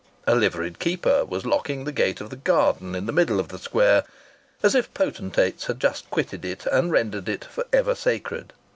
A liveried keeper was locking the gate of the garden in the middle of the Square as if potentates had just quitted it and rendered it for ever sacred.